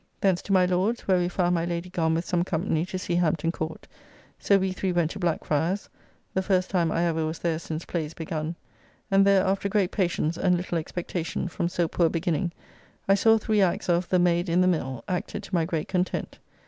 Thence to my Lord's, where we found my Lady gone with some company to see Hampton Court, so we three went to Blackfryers (the first time I ever was there since plays begun), and there after great patience and little expectation, from so poor beginning, I saw three acts of "The Mayd in ye Mill" acted to my great content.